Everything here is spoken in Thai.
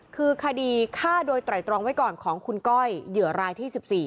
คือคดีฆ่าโดยไตรตรองไว้ก่อนของคุณก้อยเหยื่อรายที่๑๔